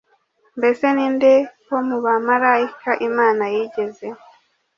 Mbese ni nde wo mu bamarayika imana yigeze